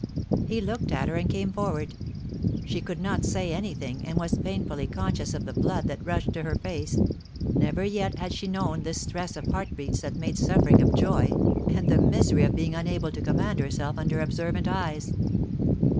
He looked at her, and came forward. She could not say any thing, and was painfully conscious of the blood that rushed to her face; never yet had she known this stress of heart beats that made suffering of joy, and the misery of being unable to command herself under observant eyes.